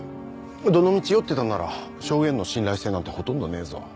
どのみち酔ってたんなら証言の信頼性なんてほとんどねえぞ。